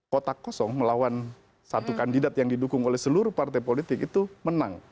kotak kosong melawan satu kandidat yang didukung oleh seluruh partai politik itu menang